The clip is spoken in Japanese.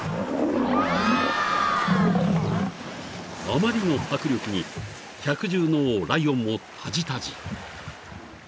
［あまりの迫力に百獣の王ライオンもタジタジ］